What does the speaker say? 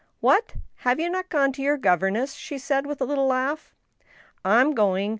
" What I have not you gone to your governess ?" she said, with a little laugh. " I'm going, .